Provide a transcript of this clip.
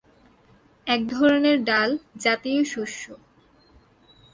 একধরনের ডাল জাতীয় শস্য।